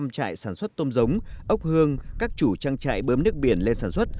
một trăm trại sản xuất tôm giống ốc hương các chủ trang trại bơm nước biển lên sản xuất